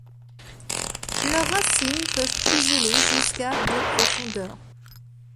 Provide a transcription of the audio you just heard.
Leurs racines peuvent puiser l'eau jusqu'à de profondeur.